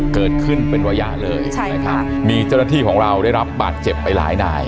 เกิดขึ้นเป็นระยะเลยใช่นะครับมีเจ้าหน้าที่ของเราได้รับบาดเจ็บไปหลายนาย